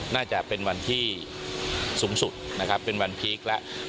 น่าจะเป็นวันที่สูงสุดนะครับเป็นวันพีคแล้ว